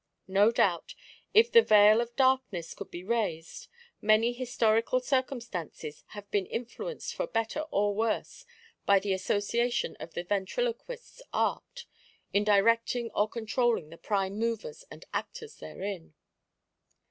No doubt, if the veil of darkness could be raised^any historical circumstances have been influ enced for better or worse by the association of the ventriloquist's art in directing or controlling the prime movers and actors therein.